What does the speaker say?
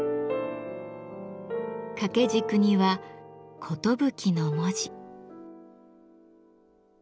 掛け軸には「寿」の文字。